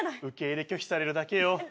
受け入れ拒否されるだけよ。